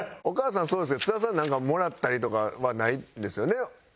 お母さんそうですね津田さんなんかもらったりとかはないんですよね？